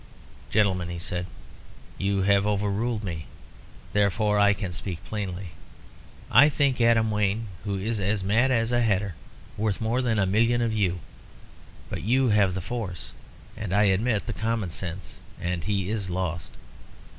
"Gentlemen," he said, "you have overruled me. Therefore I can speak plainly. I think Adam Wayne, who is as mad as a hatter, worth more than a million of you. But you have the force, and, I admit, the common sense, and he is lost.